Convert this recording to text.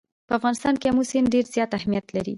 په افغانستان کې آمو سیند ډېر زیات اهمیت لري.